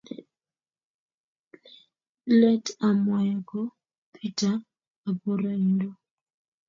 let amwaeko Petet aporoindo